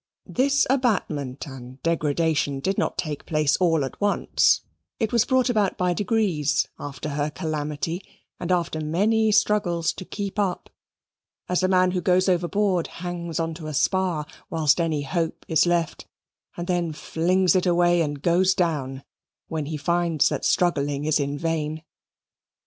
This abattement and degradation did not take place all at once; it was brought about by degrees, after her calamity, and after many struggles to keep up as a man who goes overboard hangs on to a spar whilst any hope is left, and then flings it away and goes down, when he finds that struggling is in vain.